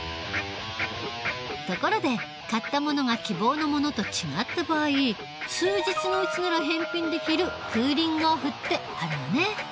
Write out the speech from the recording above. ところで買ったものが希望のものと違った場合数日のうちなら返品できる「クーリングオフ」ってあるよね。